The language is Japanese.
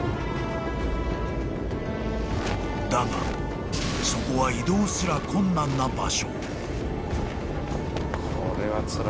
［だがそこは移動すら困難な場所］